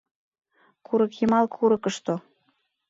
Курыкйымал курыкышто